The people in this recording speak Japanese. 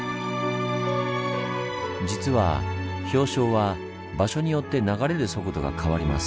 実は氷床は場所によって流れる速度が変わります。